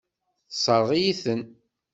Tessṛeɣ-iyi-ten.